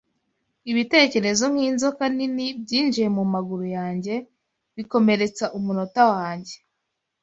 ibitekerezo nkinzoka nini Byinjiye mumaguru yanjye, bikomeretsa umunota wanjye